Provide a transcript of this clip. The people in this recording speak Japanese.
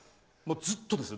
ずっとですよ。